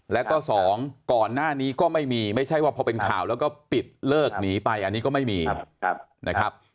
แล้วก็สองก่อนหน้านี้ก็ไม่มีไม่ใช่ว่าพอเป็นข่าวแล้วก็ปิดเลิกหนีไปอันนี้ก็ไม่มีนะครับ